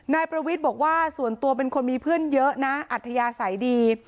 นายประวิทย์บอกว่าส่วนตัวเป็นคนมีเพื่อนเยอะนะอัธยาศัยดี